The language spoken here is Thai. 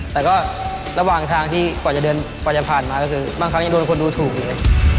แต่ก็ระหว่างทางที่กว่าจะเดินกว่าจะผ่านมาก็คือบางครั้งยังโดนคนดูถูกอยู่เลย